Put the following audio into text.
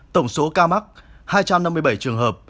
tổng số ca mắc hai trăm năm mươi bảy trường hợp